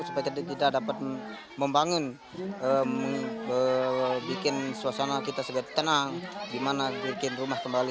supaya kita dapat membangun bikin suasana kita segera tenang gimana bikin rumah kembali